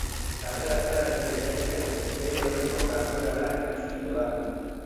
Kalera atera bezain laster bere aurreko jarduerara itzuliko da.